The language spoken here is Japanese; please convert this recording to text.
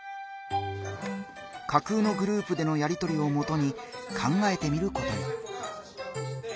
架空のグループでのやりとりをもとに考えてみることに。